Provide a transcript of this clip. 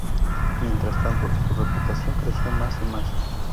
Mientras tanto, su reputación creció más y más.